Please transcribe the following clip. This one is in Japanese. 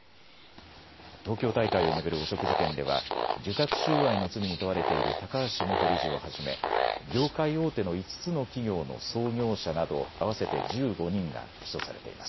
東京大会を巡る汚職事件では受託収賄の罪に問われている高橋元理事をはじめ業界大手の５つの企業の創業者など合わせて１５人が起訴されています。